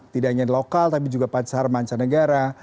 tidak hanya lokal tapi juga pasar mancanegara